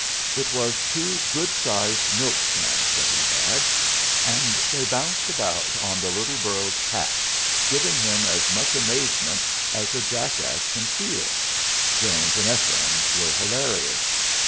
It was two good sized milk cans that he had, and they bounced about on the little burro's pack, giving him as much amazement as a jackass can feel. Jones and Ephraim were hilarious.